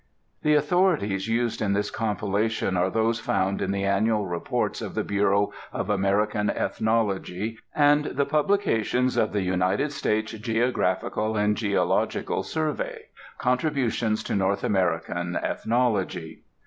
The authorities used in this compilation are those found in the annual reports of the Bureau of American Ethnology and the Publications of the United States Geographical and Geological Survey: contributions to North American Ethnology.